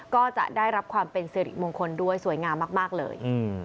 ก็จะได้รับความเป็นสิริมงคลด้วยสวยงามมากเลย